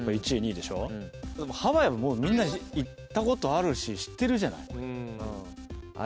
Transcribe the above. でもハワイはもうみんな行ったことあるし知ってるじゃないうんあっ